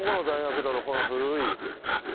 この古い。